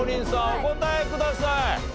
お答えください。